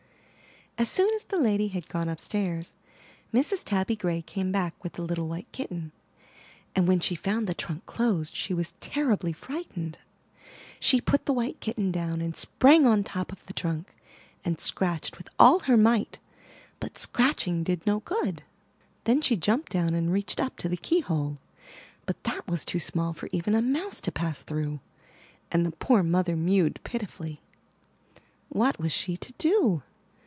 As soon as the lady had gone upstairs, Mrs. Tabby Gray came back, with the little white kitten; and when she found the trunk closed, she was terribly frightened. She put the white kitten down and sprang on top of the trunk and scratched with all her might, but scratching did no good. Then she jumped down and reached up to the keyhole, but that was too small for even a mouse to pass through, and the poor mother mewed pitifully. What was she to do?